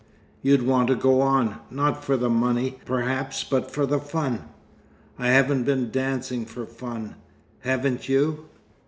You'd want to go on, not for the money perhaps, but for the fun." "I haven't been dancing for fun." "Haven't you?"